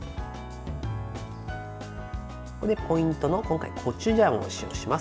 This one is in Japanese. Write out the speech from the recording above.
ここでポイントの今回、コチュジャンを使用します。